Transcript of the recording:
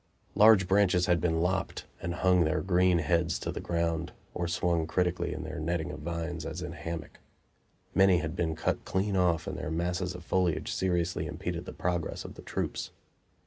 Large branches had been lopped, and hung their green heads to the ground, or swung critically in their netting of vines, as in a hammock. Many had been cut clean off and their masses of foliage seriously impeded the progress of the troops.